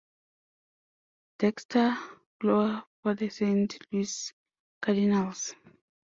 Dexter Fowler, for the Saint Louis Cardinals.